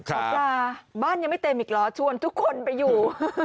หมอปลาบ้านยังไม่เต็มอีกเหรอชวนทุกคนไปอยู่